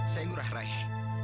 saya ngurah raih